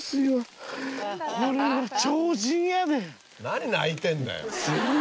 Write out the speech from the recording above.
何泣いてんだよ！